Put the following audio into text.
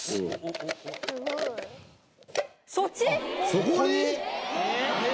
そこに？